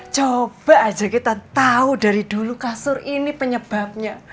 coba aja kita tahu dari dulu kasur ini penyebabnya